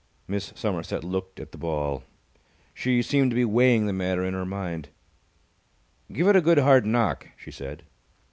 Miss Somerset looked at the ball. She seemed to be weighing the matter in her mind. "Give it a good hard knock," she said.